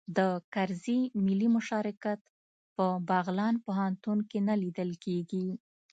د کرزي ملي مشارکت په بغلان پوهنتون کې نه لیدل کیږي